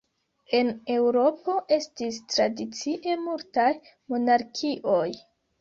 En Eŭropo estis tradicie multaj monarkioj.